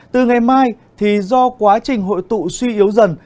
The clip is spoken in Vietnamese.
từ ngày mai do quá trình hội tụ suy yếu dần